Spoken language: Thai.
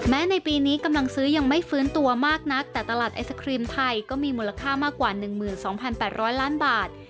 ในปีนี้กำลังซื้อยังไม่ฟื้นตัวมากนักแต่ตลาดไอศครีมไทยก็มีมูลค่ามากกว่า๑๒๘๐๐ล้านบาท